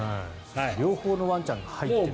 両方のワンちゃんが入ってる。